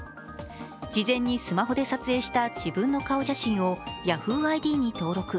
事前にスマホで撮影した自分の顔写真をＹａｈｏｏ！ＩＤに登録。